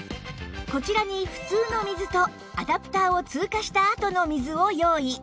こちらに普通の水とアダプターを通過したあとの水を用意